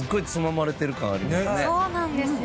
そうなんですよ。